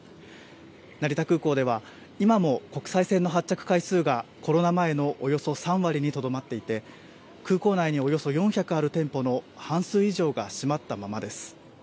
成田空港では今も国際線の発着回数がコロナ前のおよそ３割にとどまっていて空港内におよそ４００ある店舗の半数以上が閉まったままです。